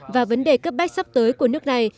và vấn đề cấp bách sắp tới của nước này